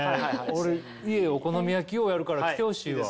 俺家お好み焼きようやるから来てほしいわ。